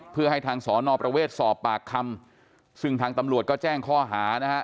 เพื่อให้ทางสอนอประเวทสอบปากคำซึ่งทางตำรวจก็แจ้งข้อหานะฮะ